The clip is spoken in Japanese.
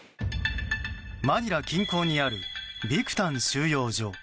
マニラ近郊にあるビクタン収容所。